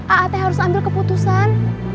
a ate harus ambil keputusan